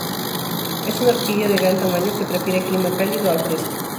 Es una orquídea de gran tamaño que prefiere clima cálido a fresco.